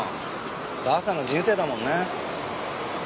ばあさんの人生だもんな。